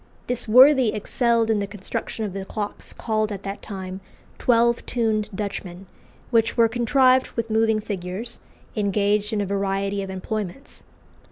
This worthy excelled in the construction of the clocks called at that time "Twelve tuned Dutchmen," which were contrived with moving figures, engaged in a variety of employments.